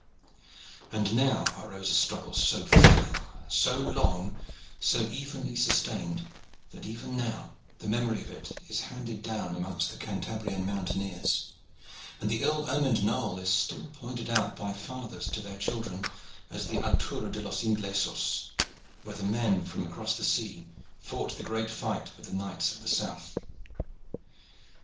And now arose a struggle so fell, so long, so evenly sustained, that even now the memory of it is handed down amongst the Cantabrian mountaineers and the ill omened knoll is still pointed out by fathers to their children as the "Altura de los Inglesos," where the men from across the sea fought the great fight with the knights of the south.